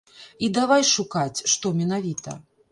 І давай шукаць, што менавіта.